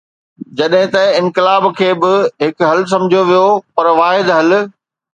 جڏهن ته انقلاب کي به هڪ حل سمجهيو ويو، پر واحد حل.